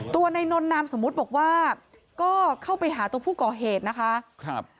ตัวนายนนนามสมมุติบอกว่าก็เข้าไปหาตัวผู้ก่อเหตุนะคะครับ